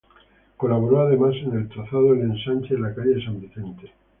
Colaboró además en el trazado del ensanche de la calle de san Vicente.